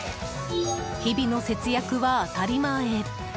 日々の節約は当たり前。